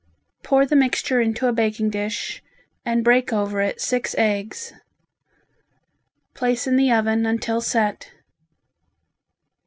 Pour the mixture into a baking dish, and break over it six eggs. Place in the oven until set.